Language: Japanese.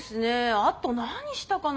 あと何したかな？